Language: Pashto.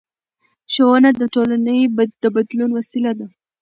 ښوونه د ټولنې د بدلون وسیله ده